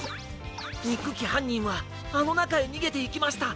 にっくきはんにんはあのなかへにげていきました！